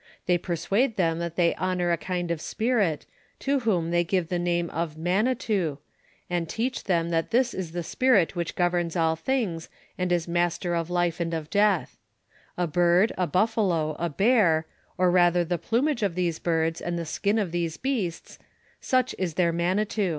They persuade them tliat tliey honor a kind of spirit, to whom tliey give the name of Manitou, and teach them tliat it is this apirit which governs all tilings, and b master of life and of deatli. A bird, a buffalo^ a l>«ar, or rather tlio )>lumago of tlioso birds, and the skin of those beasts — such is Uieir manitou.